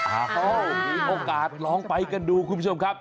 มีโอกาสลองไปกันดูคุณผู้ชมครับ